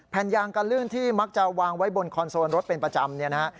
แผ่นยางกันลื่นที่มักจะวางไว้บนคอนโซนรถเป็นประจำ